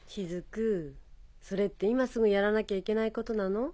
それって今すぐやらなきゃいけないことなの？